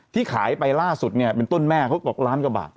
ที่ขายไปล่าสุดเนี่ยเป็นต้นแม่เขาบอกล้านกว่าบาท